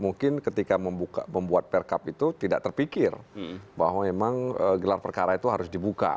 mungkin ketika membuat perkap itu tidak terpikir bahwa memang gelar perkara itu harus dibuka